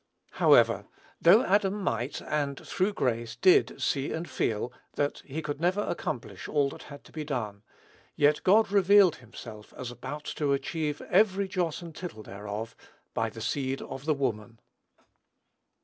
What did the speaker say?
However, though Adam might, and, through grace, did, see and feel that he could never accomplish all that had to be done, yet God revealed himself as about to achieve every jot and tittle thereof, by the seed of the woman.